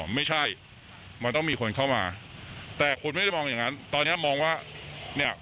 ไม่ใช่มันต้องมีคนเข้ามาแต่คนไม่ได้มองอย่างนั้นตอนเนี้ยมองว่าเนี่ย